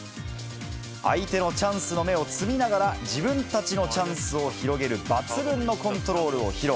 相手のチャンスの芽を摘みながら、自分たちのチャンスを広げる抜群のコントロールを披露。